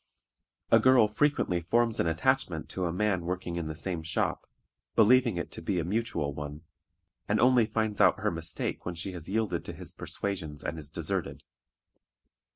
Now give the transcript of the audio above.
A girl frequently forms an attachment to a man working in the same shop, believing it to be a mutual one, and only finds out her mistake when she has yielded to his persuasions and is deserted.